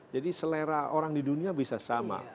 jadi selera orang di dunia bisa sama